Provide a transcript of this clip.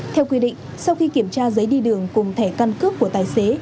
theo quy định sau khi kiểm tra giấy đi đường cùng thẻ căn cước của tài xế